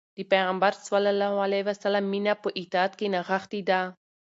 د پيغمبر ﷺ مینه په اطاعت کې نغښتې ده.